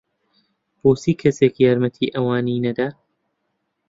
بۆچی کەسێک یارمەتیی ئەوانی نەدا؟